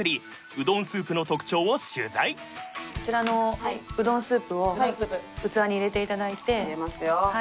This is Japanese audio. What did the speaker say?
うどんスープの特長を取材こちらのうどんスープを器に入れていただいて入れますよ